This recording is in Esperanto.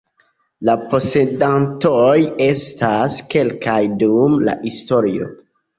La posedantoj estis kelkaj dum la historio.